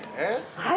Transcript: ◆はい！